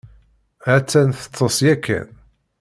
Ha-tt-an teṭṭes ya kan.